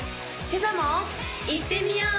今朝もいってみよう！